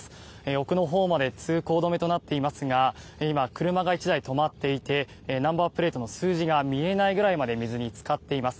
奥のほうまで通行止めとなっていますが今、車が１台止まっていてナンバープレートの数字が見えないくらいまで水につかっています。